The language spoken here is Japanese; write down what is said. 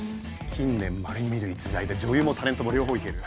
近年まれに見る逸材で女優もタレントも両方行ける。